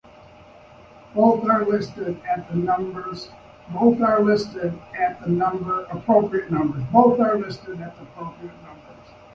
Both are listed at the appropriate numbers.